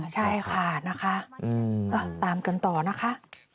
ใช่ค่ะตามกันต่อนะคะ